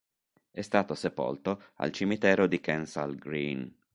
È stato sepolto al cimitero di Kensal Green.